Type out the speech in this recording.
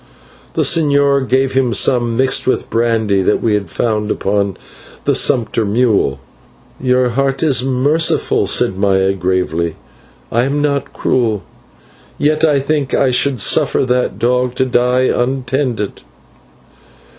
The señor gave him some mixed with brandy that we had found upon the sumpter mule. "Your heart is merciful," said Maya gravely; "I am not cruel, yet I think that I should suffer that dog to die untended."